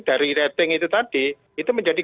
dari rating itu tadi itu menjadi